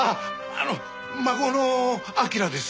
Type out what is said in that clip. あの孫の彬です。